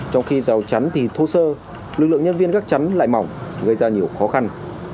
trong khi rào chắn thì thô sơ lực lượng nhân viên gắt chắn lại mỏng gây ra nhiều khó khăn